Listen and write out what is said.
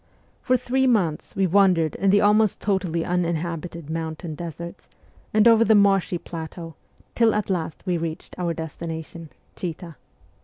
For three months we wandered in the almost totally uninhabited mountain deserts and over the marshy plateau, till at last we reached our destination, Chita.